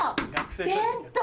弁当。